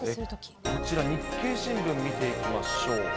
こちら、日経新聞見ていきましょう。